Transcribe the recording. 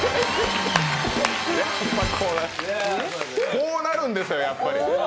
こうなるんですよ、やっぱり。